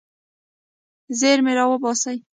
زیرمې راوباسئ.